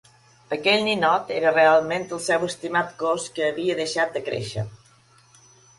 Aquell ninot era realment el seu estimat gos que havia deixat de créixer.